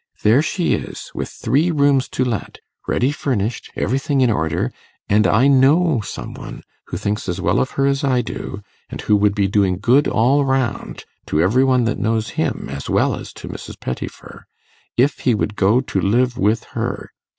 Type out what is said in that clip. There she is, with three rooms to let, ready furnished, everything in order; and I know some one, who thinks as well of her as I do, and who would be doing good all round to every one that knows him, as well as to Mrs. Pettifer, if he would go to live with her.